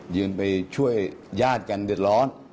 ยืนไปช่วยญาติกันเดือดร้อน